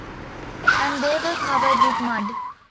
And they were covered with mud.